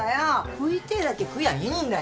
食いてえだけ食やあいいんだよ。